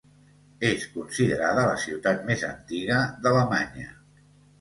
És considerada la ciutat més antiga d’Alemanya.